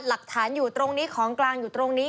หลักฐานอยู่ตรงนี้ของกลางอยู่ตรงนี้